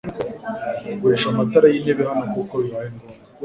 Ugurisha amatara yintebe hano kuko bibaye ngombwa